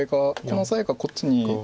このオサエがこっちに。